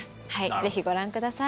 ぜひご覧ください。